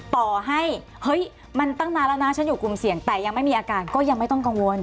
ต่อให้เฮ้ยมันตั้งนานแล้วนะฉันอยู่กลุ่มเสี่ยงแต่ยังไม่มีอาการก็ยังไม่ต้องกังวล